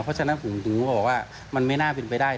เพราะฉะนั้นผมถึงก็บอกว่ามันไม่น่าเป็นไปได้